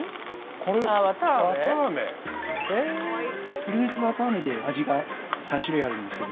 ◆フルーツわたあめで、味が３種類あるんですけど。